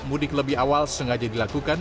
mudik lebih awal sengaja dilakukan